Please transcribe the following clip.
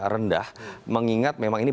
rendah mengingat memang ini